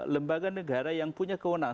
lembaga negara yang punya kewenangan